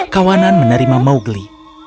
kawanan menerima mowgli